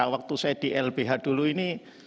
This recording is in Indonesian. waktu saya di lbh dulu ini